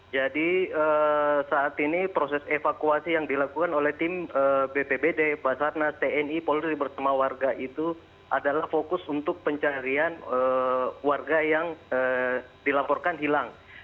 jadi saat ini proses evakuasi yang dilakukan oleh tim bpbd basarnas tni polri bersama warga itu adalah fokus untuk pencarian warga yang dilaporkan hilang